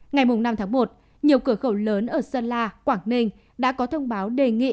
ngày năm tháng một nhiều cửa khẩu lớn ở sơn la quảng ninh đã có thông báo đề nghị